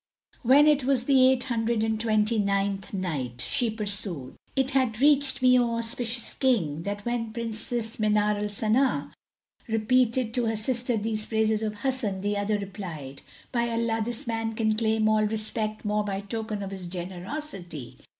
When it was the Eight Hundred and Twenty ninth Night, She pursued, It hath reached me, O auspicious King, that when Princess Manar al Sana repeated to her sister these praises of Hasan, the other replied, "By Allah, this man can claim all respect more by token of his generosity.